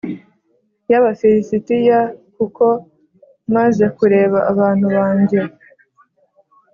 y Abafilisitiya kuko maze kureba abantu banjye